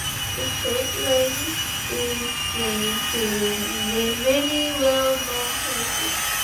The shape lends its name to many well-known places.